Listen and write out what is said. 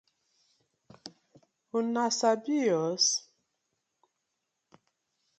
Una sabi os?